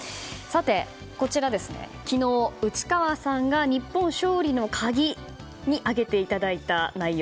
こちらは、昨日内川さんが日本勝利の鍵に挙げていただいた内容。